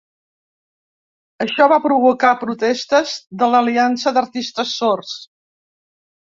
Això va provocar protestes de l'Aliança d'artistes sords.